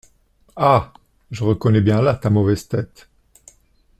Ah ! je reconnais bien là ta mauvaise tête !